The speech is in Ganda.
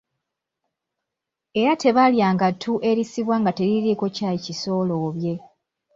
Era tebaalyanga ttu erisibwa nga teririiko kyayi kisooloobye.